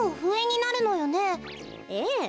ええ。